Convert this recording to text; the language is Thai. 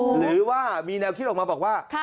หรือว่ามีแนวคิดออกมาบอกว่า